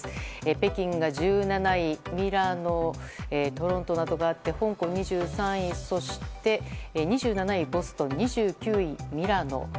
北京が１７位ミラノ、トロントなどがあって香港２３位そして２７位ボストン２９位、ミラノ。